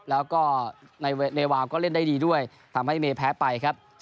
แล้วก็ในเนวาวก็เล่นได้ดีด้วยทำให้เมย์แพ้ไปครับ